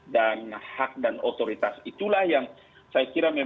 dan hak dan otoritas itulah yang saya kira memang harus kita tahu juga ya